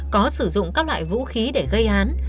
có sử dụng các loại vũ khí để gây án